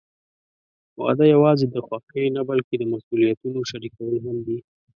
واده یوازې د خوښۍ نه، بلکې د مسوولیتونو شریکول هم دي.